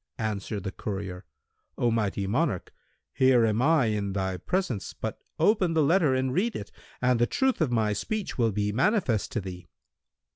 Answered the courier, "O mighty monarch, here am I in thy presence,[FN#178] but open the letter and read it, and the truth of my speech will be manifest to thee."